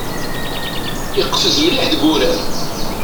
Iqfez mliḥ deg urar.